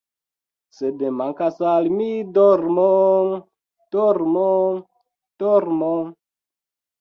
♫ Sed mankas al mi dormo, dormo, dormo ♫